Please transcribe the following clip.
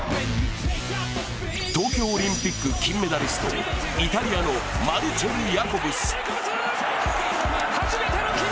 東京オリンピック金メダリスト、イタリアのマルチェル・ヤコブス。